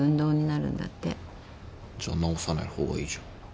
じゃあ直さない方がいいじゃん。